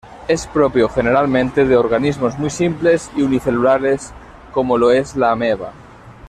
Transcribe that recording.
Es propio generalmente de organismos muy simples y unicelulares como lo es la ameba.